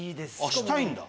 したいんだ！